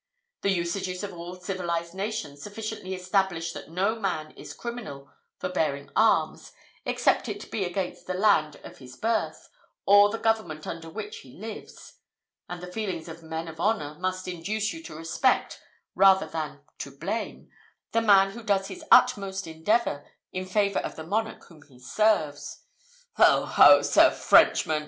The usages of all civilized nations sufficiently establish that no man is criminal for bearing arms, except it be against the land of his birth, or the government under which he lives; and the feelings of men of honour must induce you to respect, rather than to blame, the man who does his utmost endeavour in favour of the monarch whom he serves." "Ho! ho! Sir Frenchman!"